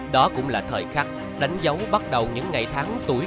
đó cũng là thời khắc đánh dấu bắt đầu những ngày tháng tuổi